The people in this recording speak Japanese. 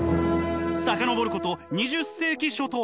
遡ること２０世紀初頭。